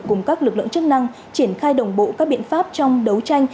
cùng các lực lượng chức năng triển khai đồng bộ các biện pháp trong đấu tranh